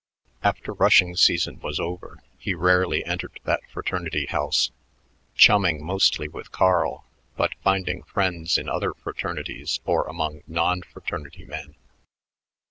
After rushing season was over, he rarely entered that fraternity house, chumming mostly with Carl, but finding friends in other fraternities or among non fraternity men.